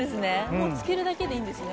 もうつけるだけでいいんですね。